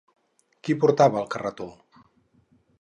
Qui portava el carretó?